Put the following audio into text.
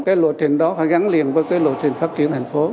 cái lộ trình đó phải gắn liền với cái lộ trình phát triển thành phố